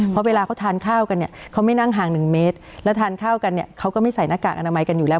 เพราะเวลาเขาทานข้าวกันเนี่ยเขาไม่นั่งห่างหนึ่งเมตรแล้วทานข้าวกันเนี่ยเขาก็ไม่ใส่หน้ากากอนามัยกันอยู่แล้ว